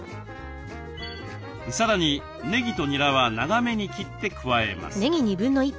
さらにねぎとにらは長めに切って加えます。